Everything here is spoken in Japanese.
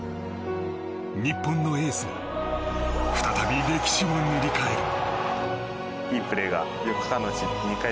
日本のエースが再び歴史を塗り替える。